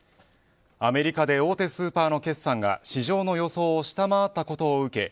アメリカで大手スーパーの決算が市場の予想を下回ったことを受け